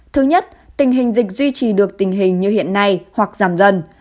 thứ nhất tình hình dịch duy trì được tình hình như hiện nay hoặc giảm dần